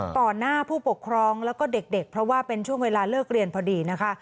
หน้าผู้ปกครองแล้วก็เด็กเพราะว่าเป็นช่วงเวลาเลิกเรียนพอดีนะคะ